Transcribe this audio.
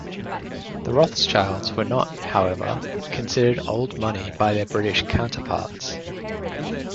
The Rothschilds were not, however, considered "old money" by their British counterparts.